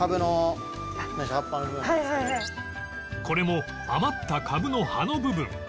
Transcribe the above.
これも余ったカブの葉の部分